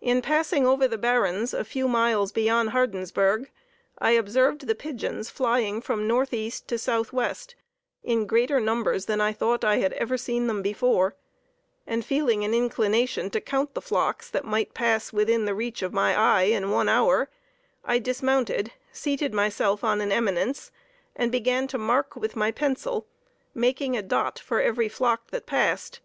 In passing over the Barrens a few miles beyond Hardensburgh, I observed the pigeons flying from northeast to southwest, in greater numbers than I thought I had ever seen them before, and feeling an inclination to count the flocks that might pass within the reach of my eye in one hour, I dismounted, seated myself on an eminence, and began to mark with my pencil, making a dot for every flock that passed.